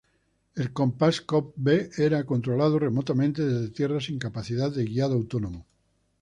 El "Compass Cope B" era controlado remotamente desde tierra sin capacidad de guiado autónomo.